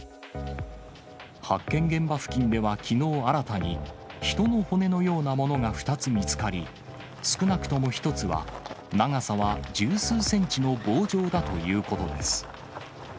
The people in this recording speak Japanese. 発見現場付近ではきのう新たに、人の骨のようなものが２つ見つかり、少なくとも１つは、長さは十数センチの棒状だということです。